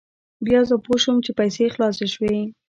بیا زه پوه شوم چې پیسې خلاصې شوې.